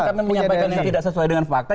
kami menyampaikan yang tidak sesuai dengan fakta